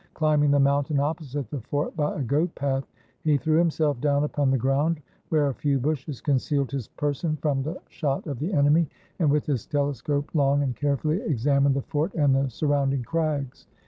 Climbing the mountain opposite the fort by a goat path, he threw himself down upon the ground, where a few bushes concealed his per son from the shot of the enemy, and with his telescope long and carefully examined the fort and the surround ing crags.